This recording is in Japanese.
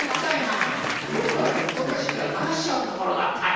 こちとらおめえそそっかしいから出しちゃうところだったよ。